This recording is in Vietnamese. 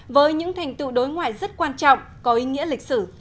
với những thành tựu đối ngoại rất quan trọng có ý nghĩa lịch sử